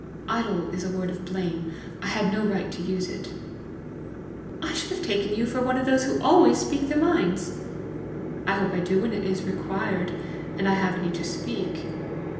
"IDLE is a word of blame; I had no right to use it." "I should have taken you for one of those who always speak their minds!" "I hope I do when it is required, and I have any to speak."